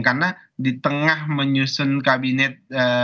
karena di tengah menyusun kabinet